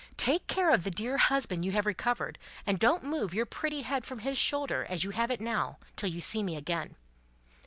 Take care of the dear husband you have recovered, and don't move your pretty head from his shoulder as you have it now, till you see me again!